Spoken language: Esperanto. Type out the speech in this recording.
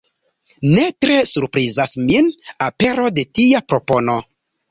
Ne tre surprizas min apero de tia propono.